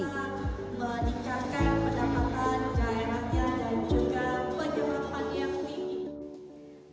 kita meningkatkan pendapatan jaya rakyat dan juga penyebutan yang tinggi